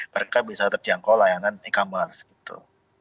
mereka bisa terjangkau layanan e commerce gitu